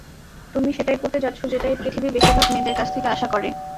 তুমি সেটাই করতে যাচ্ছ যেটা এই পৃথিবী বেশিরভাগ মেয়েদের কাছ থেকে আশা করে।